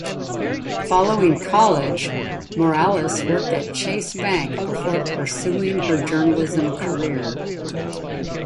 Following college, Morales worked at Chase Bank before pursuing her journalism career.